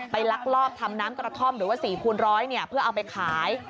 ลักลอบทำน้ำกระท่อมหรือว่า๔คูณร้อยเพื่อเอาไปขาย